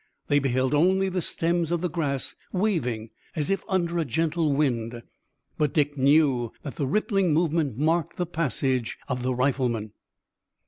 They beheld only the stems of the grass waving as if under a gentle wind. But Dick knew that the rippling movement marked the passage of the riflemen.